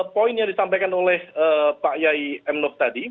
poin yang disampaikan oleh pak yai emnof tadi